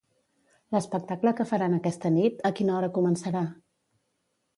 L'espectacle que faran aquesta nit, a quina hora començarà?